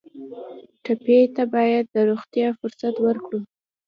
ټپي ته باید د روغتیا فرصت ورکړو.